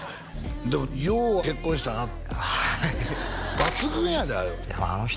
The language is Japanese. でもよう結婚したなはい抜群やであの人